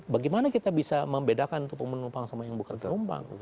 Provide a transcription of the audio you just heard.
bagaimana kita bisa membedakan untuk penumpang sama yang bukan penumpang